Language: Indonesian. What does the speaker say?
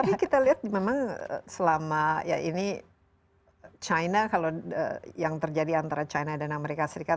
tapi kita lihat memang selama ya ini china kalau yang terjadi antara china dan amerika serikat